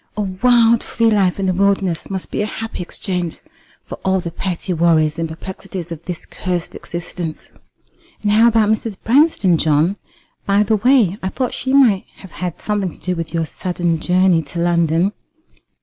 A wild free life in the wilderness must be a happy exchange for all the petty worries and perplexities of this cursed existence." "And how about Mrs. Branston, John? By the way, I thought that she might have had something to do with your sudden journey to London."